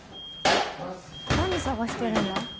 何捜してるんだ？